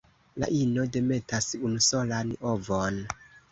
La ino demetas unusolan ovon.